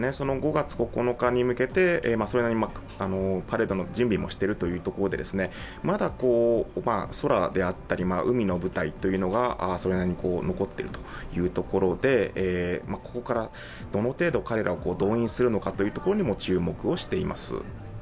５月９日に向けて、それなりに彼らも準備をしているところでまだ空であったり海の部隊がそれなりに残っているというところでここからどの程度、彼らを動員するのかというところも注目をしています。